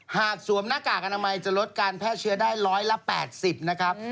สวมหน้ากากอนามัยจะลดการแพร่เชื้อได้ร้อยละ๘๐นะครับ